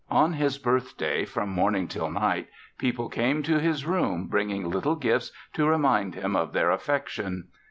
On his birthday, from morning until night, people came to his room bringing little gifts to remind him of their affection.